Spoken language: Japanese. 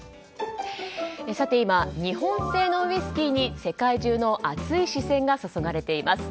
今、日本製のウイスキーに世界中の熱い視線が注がれています。